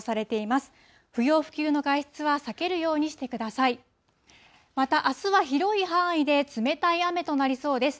また、あすは広い範囲で冷たい雨となりそうです。